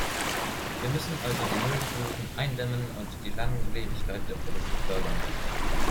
Wir müssen also die Müllfluten eindämmen und die Langlebigkeit der Produkte fördern.